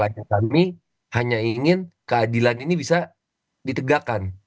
karena kami hanya ingin keadilan ini bisa ditegakkan